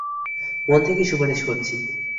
মন থেকে সুপারিশ করছি।